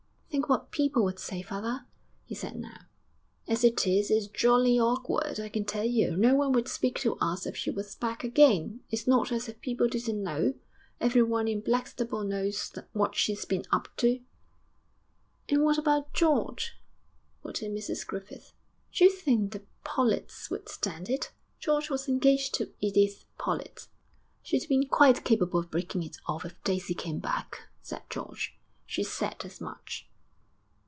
'Think what people would say, father,' he said now; 'as it is, it's jolly awkward, I can tell you. No one would speak to us if she was back again. It's not as if people didn't know; everyone in Blackstable knows what she's been up to.' 'And what about George?' put in Mrs Griffith. 'D'you think the Polletts would stand it?' George was engaged to Edith Pollett. 'She'd be quite capable of breaking it off if Daisy came back,' said George. 'She's said as much.'